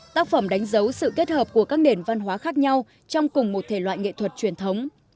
tác phẩm đánh dấu sự kết hợp của các nền văn hóa khác nhau trong cùng một thể loại nghệ thuật truyền thống